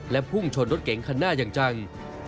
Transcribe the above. พุ่งชนรถเก๋งคันหน้าอย่างจัง